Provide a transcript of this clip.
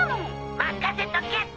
まかせとけって！